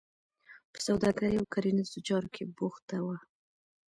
په سوداګرۍ او کرنیزو چارو کې بوخته وه.